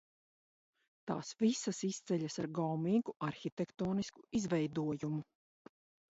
Tās visas izceļas ar gaumīgu arhitektonisku izveidojumu.